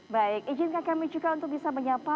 baik izinkan kami juga untuk bisa menyapa